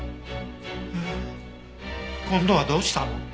え今度はどうしたの？